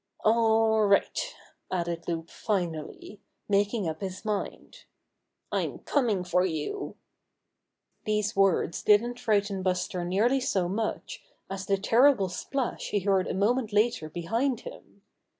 '^All right!" added Loup finally, making up his mind. ''I'm coming for you!" These words didn't frighten Buster nearly so much as the terrible splash he heard a mo ment later behind him.